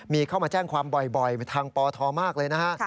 มีเข้ามาแจ้งความบ่อยทางปทมากเลยนะฮะ